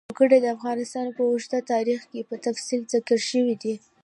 وګړي د افغانستان په اوږده تاریخ کې په تفصیل ذکر شوی دی.